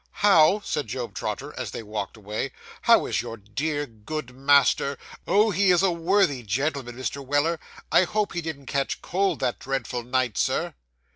'How,' said Job Trotter, as they walked away, 'how is your dear, good master? Oh, he is a worthy gentleman, Mr. Weller! I hope he didn't catch cold, that dreadful night, Sir.